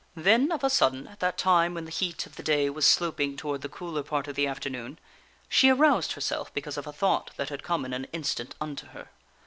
Then, of a sudden, at that time when the heat of the day was sloping toward the cooler part of the afternoon, she aroused herself because of a thought that had come in an instant unto her.